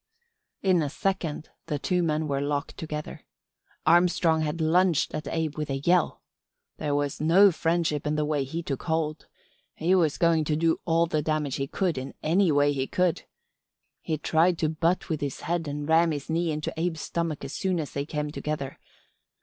"In a second the two men were locked together. Armstrong had lunged at Abe with a yell. There was no friendship in the way he took hold. He was going to do all the damage he could in any way he could. He tried to butt with his head and ram his knee into Abe's stomach as soon as they came together.